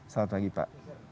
selamat pagi pak